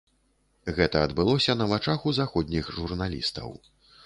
Гэта адбылося на вачах у заходніх журналістаў.